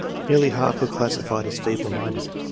Nearly half were classified as feeble minded.